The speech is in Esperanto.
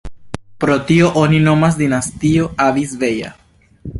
Pro tio oni nomas Dinastio Avis-Beja.